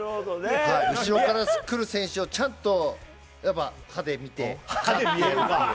後ろから来る選手をちゃっと歯で見て止める。